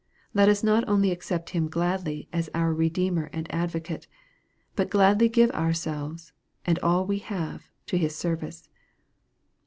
Let us not only accept Him gladly as our Redeemer and Advocate, but gladly give ourselves, and all we have, to His ser vice.